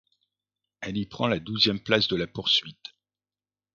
Elle y prend la douzième place de la poursuite.